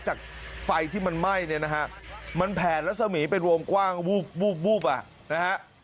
จากไฟที่มันไหม้เนี่ยนะครับมันแผ่นและเสมีเป็นวงกว้างวูบอะนะฮะ